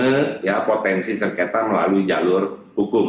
seme potensi sekitar melalui jalur hukum